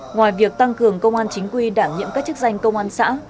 ngoài việc tăng cường công an chính quy đảm nhiệm các chức danh công an xã